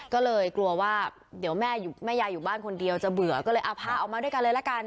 ก็เลยกลัวว่าเดี๋ยวแม่ยายอยู่บ้านคนเดียวจะเบื่อก็เลยเอาพาออกมาด้วยกันเลยละกัน